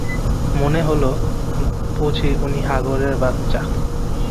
মনে হল, বুঝি উনি হাঙ্গরের বাচ্চা।